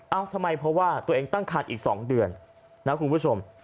เอ้าทำไมเพราะว่าตัวเองตั้งขาดอีก๒เดือนนะครับคุณผู้ชม